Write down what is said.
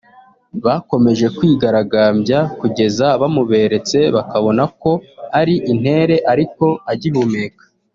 Bakomeje kwigaragambya kugeza bamuberetse bakabona ko ari intere ariko agihumeka